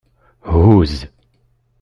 Huzz.